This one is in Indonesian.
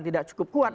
tidak cukup kuat